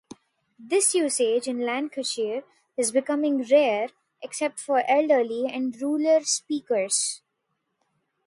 This usage in Lancashire is becoming rare, except for elderly and rural speakers.